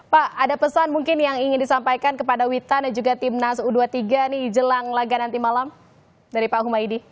pak ada pesan mungkin yang ingin disampaikan kepada witan dan juga timnas u dua puluh tiga nih jelang laga nanti malam dari pak humaydi